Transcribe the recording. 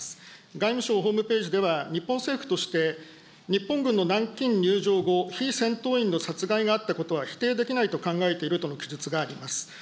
外務省ホームページでは、日本政府として、日本軍の南京にゅうじょう後、非戦闘員の殺害があったことは否定できないと考えているとの記述があります。